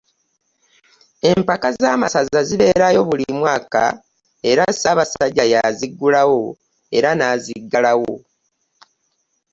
Empaka z'amasaza zibeerayo buli mwaka era ssaabasajja y'aziggulawo era n'aziggalawo